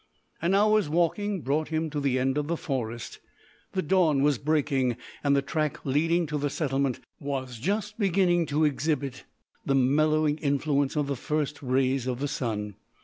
An hour's walking brought him to the end of the forest. The dawn was breaking, and the track leading to the settlement was just beginning to exhibit the mellowing influence of the first rays of the sun.